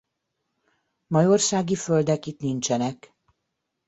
Majorsági földek itt nincsenek.